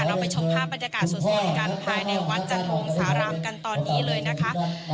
เราไปชมภาพบรรยากาศสดกันภายในวัดจันทงสารามกันตอนนี้เลยนะคะ